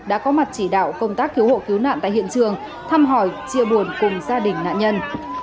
đã có mặt chỉ đạo công tác cứu hộ cứu nạn tại hiện trường thăm hỏi chia buồn cùng gia đình nạn nhân